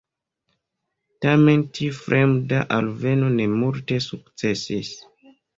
Tamen tiu "fremda" alveno ne multe sukcesis.